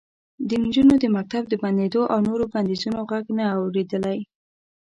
د نجونو د مکتب د بندېدو او نورو بندیزونو غږ نه و اورېدلی